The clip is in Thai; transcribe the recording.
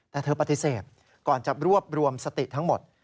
แต่เธอปฏิเสธก่อนจะรวบรวมสติทั้งหมด